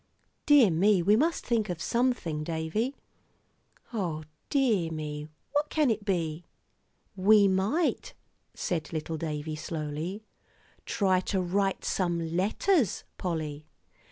"Dear me, we must think of something, Davie. O dear me, what can it be?" "We might," said little David, slowly, "try to write some letters, Polly.